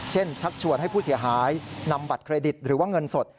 ชักชวนให้ผู้เสียหายนำบัตรเครดิตหรือว่าเงินสด